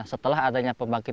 setelah adanya pembangkit